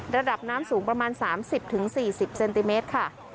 ระดับน้ำสูงประมาณ๓๐๔๐เซนติเมตรค่ะ